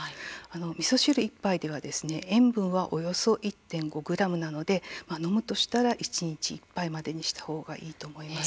みそ汁１杯で塩分はおよそ１．５ｇなので飲むとしたら一日１杯までにした方がいいと思います。